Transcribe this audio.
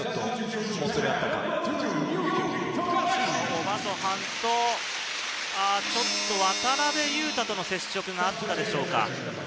オバソハンと渡邊雄太との接触があったでしょうか。